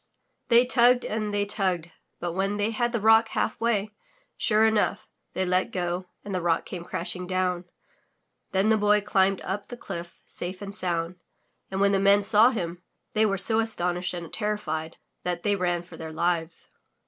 They tugged and they tugged, but when they had the rock half way, sure enough, they 172 THROUGH FAIRY HALLS let go and the rock came crashing down. Then the Boy climbed up the cliff safe and sound, and when the Men saw him they were so astonished and terrified that they ran for their lives.